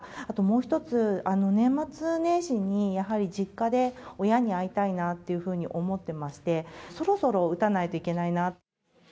職場で打てるからというのと、あともう一つ、年末年始にやはり実家で親に会いたいなっていうふうに思ってまして、そろそろ打たないといけないな。